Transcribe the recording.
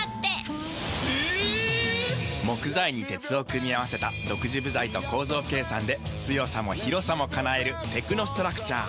木材に鉄を組み合わせた独自部材と構造計算で強さも広さも叶えるテクノストラクチャー。